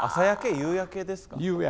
夕焼けです。